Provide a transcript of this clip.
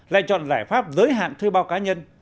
lại chọn giải pháp giới hạn thuê bao cá nhân